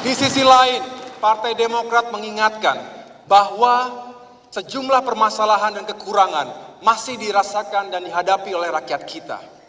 di sisi lain partai demokrat mengingatkan bahwa sejumlah permasalahan dan kekurangan masih dirasakan dan dihadapi oleh rakyat kita